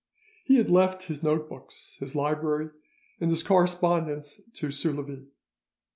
He had left his note books, his library, and his correspondence to Soulavie.